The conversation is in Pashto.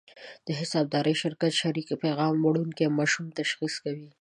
د حسابدار شرکت شریک پیغام وړونکي ماشوم تشخیص کوي.